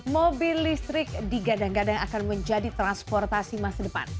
mobil listrik digadang gadang akan menjadi transportasi masa depan